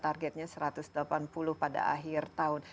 targetnya satu ratus delapan puluh pada akhir tahun